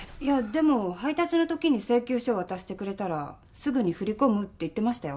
でも配達のときに請求書を渡してくれたらすぐに振り込むって言ってましたよ。